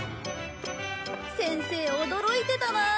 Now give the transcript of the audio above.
先生驚いてたなあ。